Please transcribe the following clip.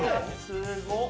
すごっ。